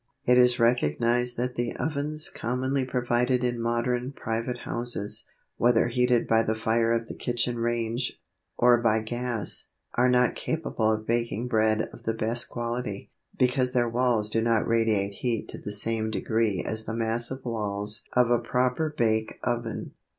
It is recognised that the ovens commonly provided in modern private houses, whether heated by the fire of the kitchen range, or by gas, are not capable of baking bread of the best quality, because their walls do not radiate heat to the same degree as the massive walls of a proper bake oven.